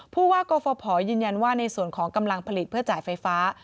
ผู้ว่ากฟภยืนยันว่าในส่วนของกำลังผลิตเพื่อจ่ายไฟฟ้า